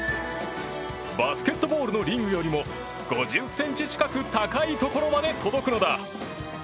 バスケットボールのリングよりも５０ｃｍ近く高いところまで届くのだ。